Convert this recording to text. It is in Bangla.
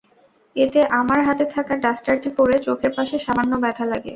এতে আমার হাতে থাকা ডাস্টারটি পড়ে চোখের পাশে সামান্য ব্যথা লাগে।